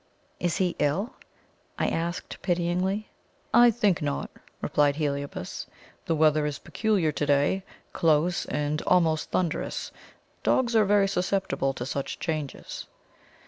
"Is he ill?" I asked pityingly. "I think not," replied Heliobas. "The weather is peculiar to day close, and almost thunderous; dogs are very susceptible to such changes."